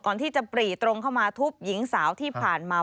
ก่อนที่จะปรีตรงเข้ามาทุบหญิงสาวที่ผ่านมา